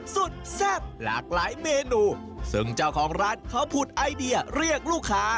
แซ่บหลากหลายเมนูซึ่งเจ้าของร้านเขาผุดไอเดียเรียกลูกค้า